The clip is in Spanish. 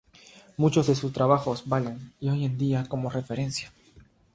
Muchos de sus trabajos valen hoy en día como referencia.